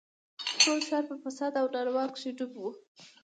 ټول ښار په فساد او نارواوو کښې ډوب و.